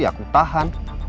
ya aku tahan